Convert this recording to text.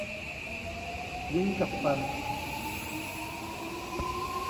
ลิ้นกับฟัน